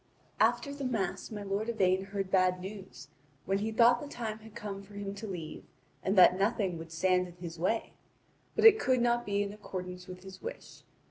After the Mass my lord Yvain heard bad news, when he thought the time had come for him to leave and that nothing would stand in his way; but it could not be in accordance with his wish.